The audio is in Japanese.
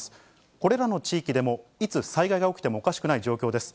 これらの地域でも、いつ災害が起きてもおかしくない状況です。